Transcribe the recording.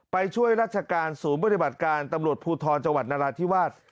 ไปช่วยราชการศูนย์ปฏิบัติการตำรวจภูทรจังหวัดนราธิวาส